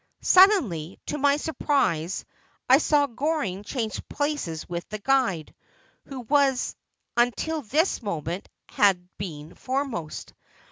Suddenly, to my surprise, I saw Goring change places with the guide, who until this moment had been foremost.